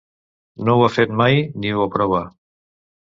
No ho ha fet mai ni ho aprova.